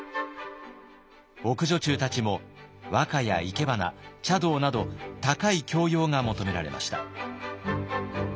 奥女中たちも和歌や生け花茶道など高い教養が求められました。